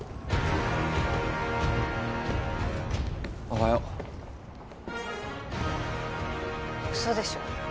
おはよう嘘でしょ